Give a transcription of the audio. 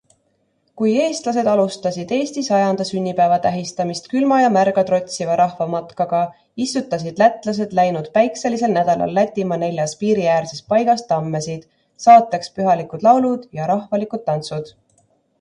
Kui eestlased alustasid Eesti sajanda sünnipäeva tähistamist külma ja märga trotsiva rahvamatkaga, istutasid lätlased läinud päikeselisel nädalal Lätimaa neljas piiriäärses paigas tammesid, saateks pühalikud laulud ja rahvalikud tantsud.